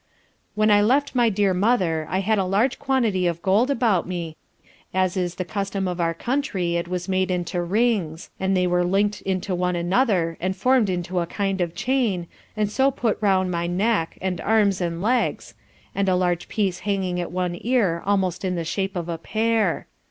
When I left my dear mother I had a large quantity of gold about me, as is the custom of our country, it was made into rings, and they were linked into one another, and formed into a kind of chain, and so put round my neck, and arms and legs, and a large piece hanging at one ear almost in the shape of a pear.